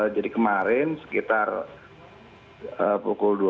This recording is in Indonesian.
jadi kemarin sekitar pukul dua belas